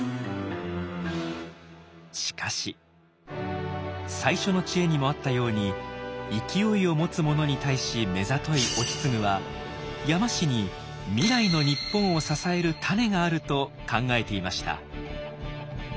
しかし最初の知恵にもあったように勢いを持つ者に対し目ざとい意次は山師に未来の日本を支えるタネがあると考えていました。